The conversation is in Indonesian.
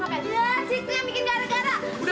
mak dia yang bikin gara gara